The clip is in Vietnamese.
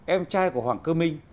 em trai của hoàng cơ minh